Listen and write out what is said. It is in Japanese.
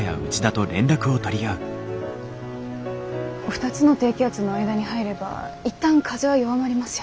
２つの低気圧の間に入れば一旦風は弱まりますよね？